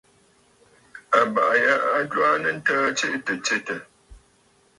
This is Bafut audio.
Àbàʼà ya a jwaanə ntəə tsiʼì tɨ̀ stsetə̀.